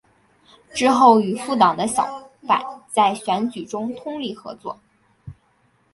之后与复党的小坂在选举中通力合作。